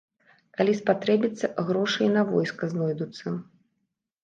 Калі спатрэбіцца, грошы і на войска знойдуцца.